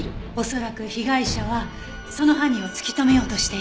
恐らく被害者はその犯人を突き止めようとしていた。